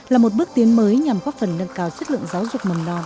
là một bước tiến mới nhằm góp phần nâng cao chất lượng giáo dục mầm non